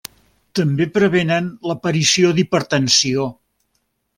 També prevenen l'aparició d'hipertensió.